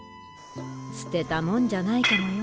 捨てたもんじゃないかもよ。